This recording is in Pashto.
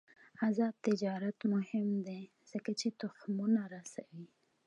آزاد تجارت مهم دی ځکه چې تخمونه رسوي.